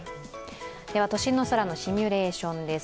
都心の空のシミュレーションです。